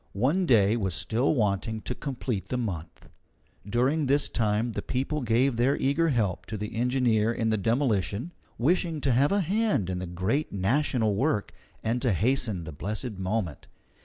One day was still wanting to complete the month. During this time the people gave their eager help to the engineer in the demolition, wishing to have a hand in the great national work and to hasten the blessed moment.